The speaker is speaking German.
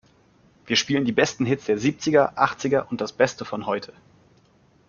Wir spielen die besten Hits der Siebziger, Achtziger und das Beste von heute!